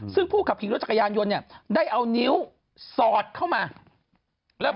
ซึ่งผู้ขับขี่รถจักรยานยนต์เนี่ยได้เอานิ้วสอดเข้ามาแล้ว